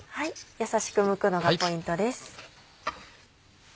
優しくむくのがポイントです。